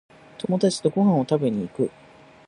友達とご飯を食べに行く